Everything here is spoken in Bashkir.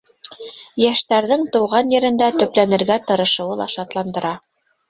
Йәштәрҙең тыуған ерендә төпләнергә тырышыуы ла шатландыра.